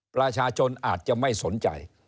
ประชาชนอาจจะไม่สนใจ